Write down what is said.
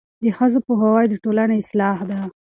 د ښځو پوهاوی د ټولنې اصلاح ده.